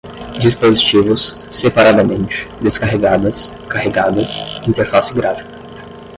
dispositivos, separadamente, descarregadas, carregadas, interface gráfica